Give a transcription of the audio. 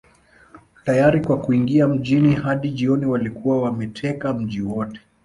Tayari kwa kuingia mjini Hadi jioni walikuwa wameteka mji wote